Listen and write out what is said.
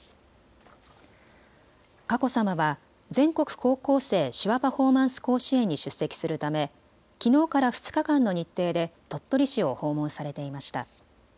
佳子さまは全国高校生手話パフォーマンス甲子園に出席するためきのうから２日間の日程で鳥取市を訪問されていました。